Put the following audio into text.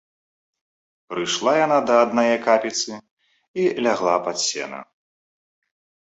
Прыйшла яна да аднае капіцы і лягла пад сена.